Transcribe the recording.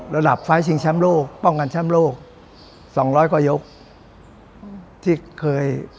ระดับไฟล์ชิงแชมป์โลกป้องกันแชมป์โลกสองร้อยกว่ายกที่เคย